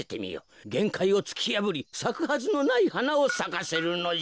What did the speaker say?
げんかいをつきやぶりさくはずのないはなをさかせるのじゃ。